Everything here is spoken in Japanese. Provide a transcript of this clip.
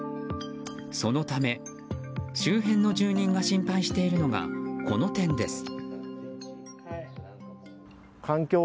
そのため、周辺の住人が心配しているのがこの点です。